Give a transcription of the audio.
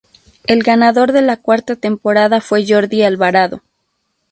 El ganador de la cuarta temporada fue Jordi Alvarado.